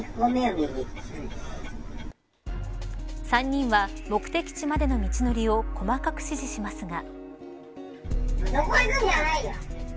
３人は目的地までの道のりを細かく指示しますが。